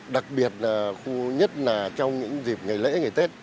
đặc biệt là khu nhất là trong những dịp ngày lễ ngày tết